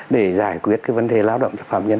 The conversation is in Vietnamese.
để giải quyết cái vấn đề lao động cho phạm nhân